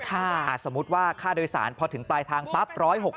ถ้าสมมุติว่าค่าโดยสารพอถึงปลายทางปั๊บ๑๖๐